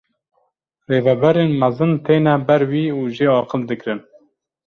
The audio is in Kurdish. Rêveberên mezin têne ber wî û jê aqil digirin.